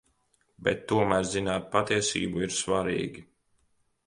Bet tomēr zināt patiesību ir svarīgi.